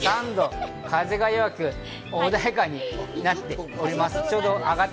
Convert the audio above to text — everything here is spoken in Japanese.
風が弱く穏やかになっております。